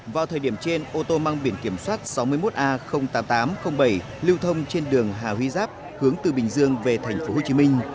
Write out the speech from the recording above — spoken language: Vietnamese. vào thời điểm trên ô tô mang biển kiểm soát sáu mươi một a tám nghìn tám trăm linh bảy lưu thông trên đường hà huy giáp hướng từ bình dương về tp hcm